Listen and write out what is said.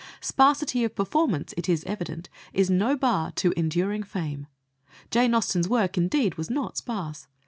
Sparsity of performance, it is evident, is no bar to enduring fame. Jane Austen's work, indeed, was not sparse.